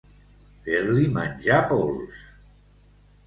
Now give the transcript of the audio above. Fer-li menjar pols.